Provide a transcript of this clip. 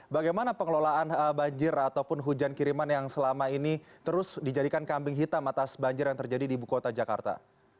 bagaimana pengelolaan banjir ataupun hujan kiriman yang selama ini terus dijadikan kambing hitam atas banjir yang terjadi di ibu kota jakarta